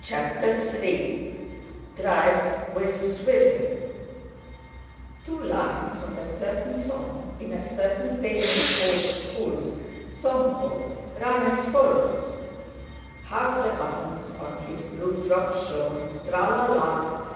CHAPTER III DRIVE WITH SWITHIN Two lines of a certain song in a certain famous old school's songbook run as follows: "How the buttons on his blue frock shone, tra la la!